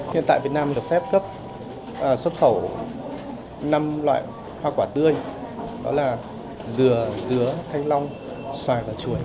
hiện tại việt nam được phép cấp xuất khẩu năm loại hoa quả tươi đó là dừa dứa thanh long xoài và chuột